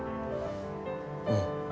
うん。